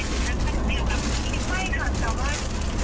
ไม่ค่ะแต่ว่าถ้าเรื่องจบไม่อยากให้ถึงขั้นของขั้นไหน